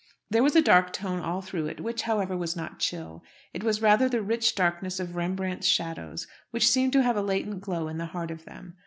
There was a dark tone all through it, which, however, was not chill. It was rather the rich darkness of Rembrandt's shadows, which seem to have a latent glow in the heart of them.